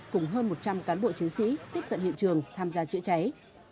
cùng hơn một trăm linh cán bộ chiến sĩ tiếp cận hiện trường tham gia chữa cháy